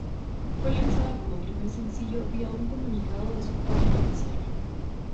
Fue lanzada como primer sencillo vía un comunicado de su página oficial.